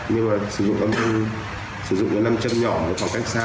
nhưng mà sử dụng cái nam châm nhỏ một khoảng cách xa